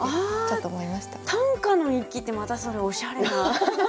短歌の日記ってまたそれおしゃれな。